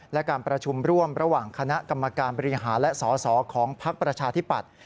และการประชุมร่วมระหว่างคณะกรรมการบริหารและสอสอของพักประชาธิปัตย์